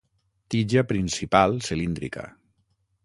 Tija principal cilíndrica.